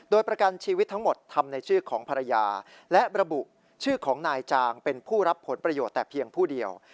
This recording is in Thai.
โดยประกันชีวิตทั้งหมดทำในชื่อของภรรยาและระบุชื่อของนายจางเป็นผู้รับผลประโยชน์แต่เพียงผู้เดียว